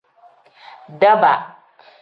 Daaba.